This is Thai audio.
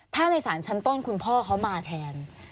ถ้าในสารชั้นต้นคุณพ่อเขามาแทน